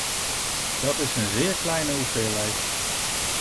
Dat is een zeer kleine hoeveelheid.